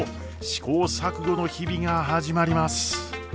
試行錯誤の日々が始まります。